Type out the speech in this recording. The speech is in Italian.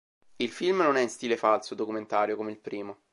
Il film non è in stile falso documentario come il primo.